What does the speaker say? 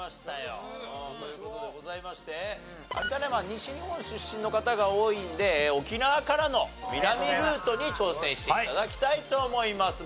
西日本出身の方が多いので沖縄からの南ルートに挑戦して頂きたいと思います。